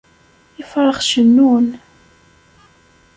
Ifrax cennun